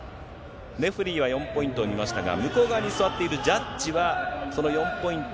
レフェリーは４ポイントを見ましたが、向こう側に座っているジャッジは、ノーポイント。